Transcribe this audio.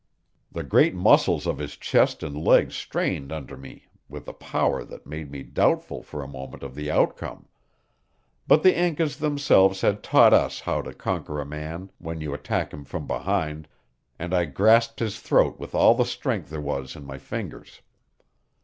The great muscles of his chest and legs strained under me with a power that made me doubtful for a moment of the outcome; but the Incas themselves had taught us how to conquer a man when you attack him from behind, and I grasped his throat with all the strength there was in my fingers.